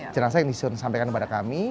jenazah yang disampaikan kepada kami